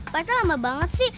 pasti lama banget sih